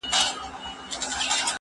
زه به ونې ته اوبه ورکړې وي؟